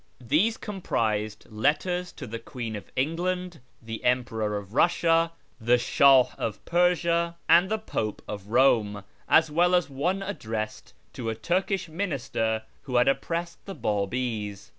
These comprised letters to the Queen of England, the Emperor of Eussia, the Shah of Persia, and the Pope of Eome, as well as one addressed to a Turkish minister who had oppressed the Babis.